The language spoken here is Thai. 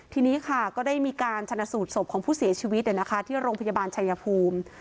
ทีนี้ค่ะก็ได้มีการชนะสูตรศพของผู้เสียชีวิตที่โรงพยาบาลชายภูมิ